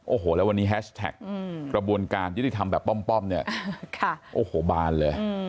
โอ้โหแล้ววันนี้แฮชแท็กกระบวนการยุติธรรมแบบป้อมเนี่ยโอ้โหบานเลย